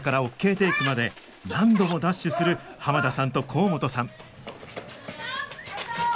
テークまで何度もダッシュする濱田さんと甲本さん